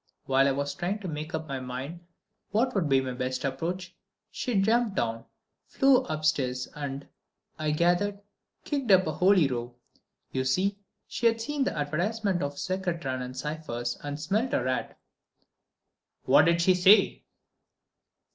While I was trying to make up my mind what would be my best approach, she jumped down, flew upstairs and, I gathered, kicked up a holy row. You see, she'd seen that advertisement of Secretan & Sypher's, and smelt a rat." "What did she say?"